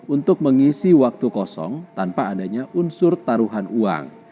untuk mengisi waktu kosong tanpa adanya unsur taruhan uang